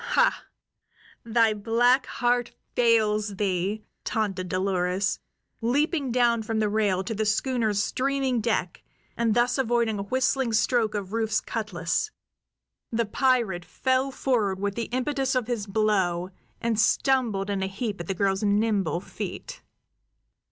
"Hah! Thy black heart fails thee!" taunted Dolores, leaping down from the rail to the schooner's streaming deck and thus avoiding a whistling stroke of Rufe's cutlas. The pirate fell forward with the impetus of his blow, and stumbled in a heap at the girl's nimble feet.